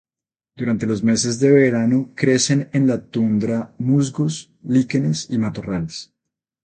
Durante los meses de verano crecen en la tundra musgos, líquenes y matorrales.